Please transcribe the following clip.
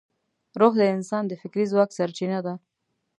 روح د انسان د فکري ځواک سرچینه ده.